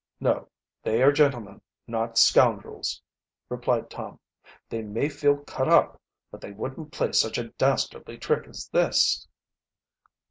"No, they are gentlemen, not scoundrels," replied Tom. "They may feel cut up, but they wouldn't play such a dastardly trick as this."